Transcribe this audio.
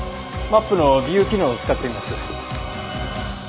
マップのビュー機能を使ってみます。